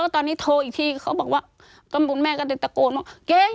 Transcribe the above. ตอนนี้โทรอีกทีเขาบอกว่าต้นบุญแม่ก็เลยตะโกนว่าเก่ง